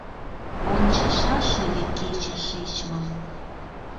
Ончышаш ыле кече шичмым.